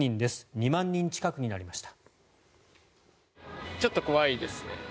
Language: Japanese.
２万人近くになりました。